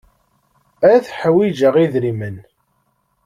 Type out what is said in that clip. Ad ḥwijeɣ idrimen.